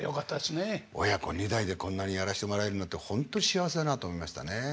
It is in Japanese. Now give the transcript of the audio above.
親子２代でこんなにやらせてもらえるなんてほんとに幸せだなと思いましたね。